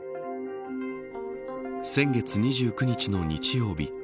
先月２９日の日曜日